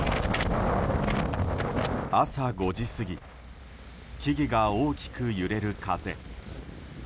朝５時過ぎ木々が大きく揺れる風。